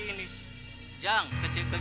jang kecil kecil jangan suka jadi pembohong